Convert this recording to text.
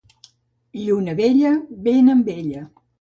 Lluna vella, vent amb ella.